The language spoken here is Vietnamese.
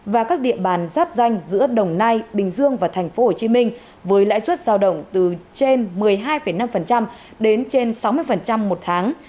và các địa bàn giáp danh giữa đồng nai bình dương và tp hcm với lãi suất giao động từ trên một mươi hai năm đến trên sáu mươi một tháng